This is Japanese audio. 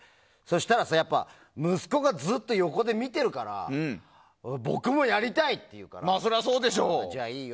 息子がずっと横で見てるから僕もやりたいって言うからじゃあいいよ。